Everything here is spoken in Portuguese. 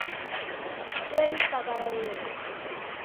eles tagarelarão